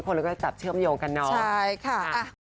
เราก็จะจับเชื่อมโยงกันเนาะใช่ค่ะ